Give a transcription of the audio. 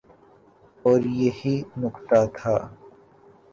اوریہی نکتہ تھا۔